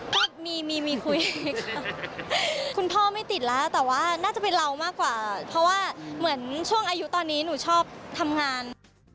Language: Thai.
ก็มีมีคุยค่ะคุณพ่อไม่ติดแล้วแต่ว่าน่าจะเป็นเรามากกว่าเพราะว่าเหมือนช่วงอายุตอนนี้หนูชอบทำงาน